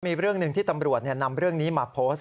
มีเรื่องหนึ่งที่ตำรวจนำเรื่องนี้มาโพสต์